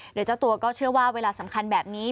โดยเจ้าตัวก็เชื่อว่าเวลาสำคัญแบบนี้